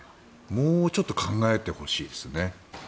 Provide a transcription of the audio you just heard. もうちょっと考えてほしいですね。